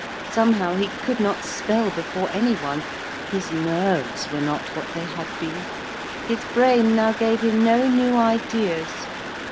Somehow he could not spell before any one his nerves were not what they had been. His brain now gave him no new ideas.